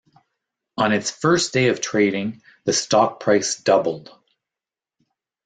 On its first day of trading, the stock price doubled.